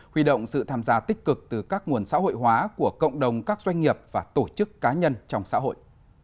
huy động sự tham gia tích cực từ các nguồn xã hội hóa của cộng đồng các doanh nghiệp và tổ chức cá nhân trong xã hội